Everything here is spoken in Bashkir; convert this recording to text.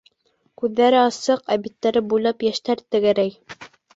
Күҙҙәре асыҡ, ә биттәре буйлап йәштәр тәгәрәй.